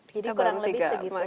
jadi kurang lebih segitu